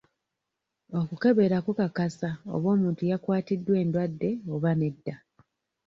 Okukebera kukakasa oba omuntu yakwatiddwa endwadde oba nedda.